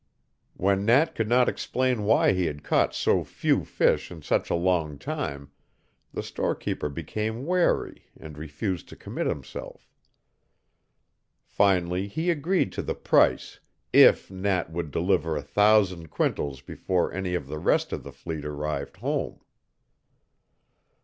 When Nat could not explain why he had caught so few fish in such a long time, the storekeeper became wary and refused to commit himself. Finally he agreed to the price if Nat would deliver a thousand quintals before any of the rest of the fleet arrived home.